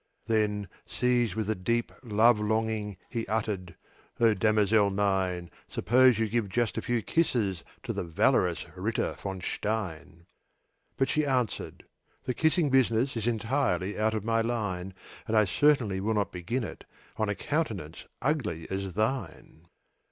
Then, seized with a deep love longing, He uttered, "O damosel mine, Suppose you just give a few kisses To the valorous Ritter von Stein!" But she answered, "The kissing business Is entirely out of my line; And I certainly will not begin it On a countenance ugly as thine!"